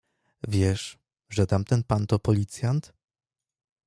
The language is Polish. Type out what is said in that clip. Wiesz, że tamten pan to policjant?